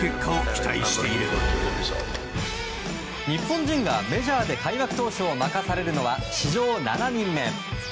日本人がメジャーで開幕投手を任されるのは史上７人目。